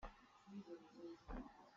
Kaan nawlnak ca kha na hmu cang maw?